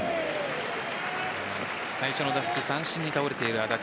最初の打席三振に倒れている安達